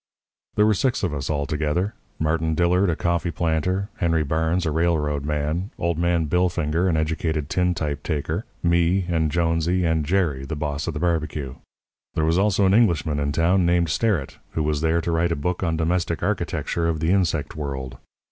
"There were six of us all together Martin Dillard, a coffee planter; Henry Barnes, a railroad man; old man Billfinger, an educated tintype taker; me and Jonesy, and Jerry, the boss of the barbecue. There was also an Englishman in town named Sterrett, who was there to write a book on Domestic Architecture of the Insect World.